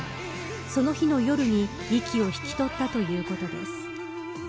その日の夜に息を引き取ったということです。